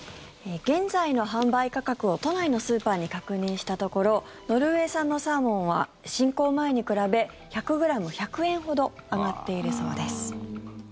現在の販売価格を都内のスーパーに確認したところノルウェー産のサーモンは侵攻前に比べ１００ｇ１００円ほど上がっているそうです。